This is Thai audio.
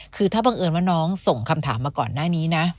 คือถ้าบังเอิญว่าน้องส่งคำถามมาก่อนหน้านี้นะ